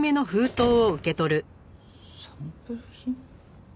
「サンプル品」？